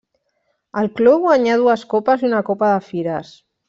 Al club guanyà dues Copes i una Copa de Fires.